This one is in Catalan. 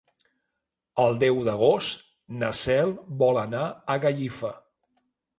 El deu d'agost na Cel vol anar a Gallifa.